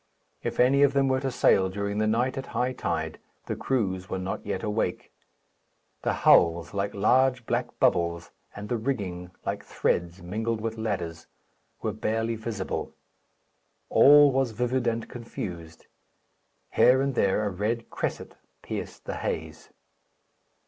If any of them were to sail during the night at high tide, the crews were not yet awake. The hulls, like large black bubbles, and the rigging, like threads mingled with ladders, were barely visible. All was livid and confused. Here and there a red cresset pierced the haze.